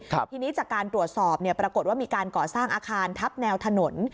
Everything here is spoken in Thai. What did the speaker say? ทีนี้จากการตรวจสอบเนี่ยปรากฏว่ามีการก่อสร้างอาคารทับแนวถนน